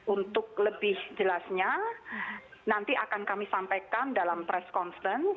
untuk lebih jelasnya nanti akan kami sampaikan dalam press conference